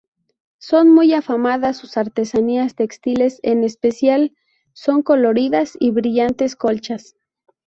Son muy afamadas sus artesanías textiles, en especial sus coloridas y brillantes colchas.